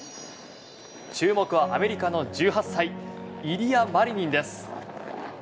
注目はアメリカの１８歳イリア・マリニンです。